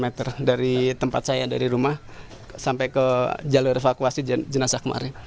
lima meter dari tempat saya dari rumah sampai ke jalur evakuasi jenazah kemarin